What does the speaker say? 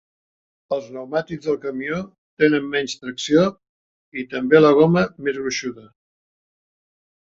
Els pneumàtics del camió tenen menys tracció i també la goma més gruixuda.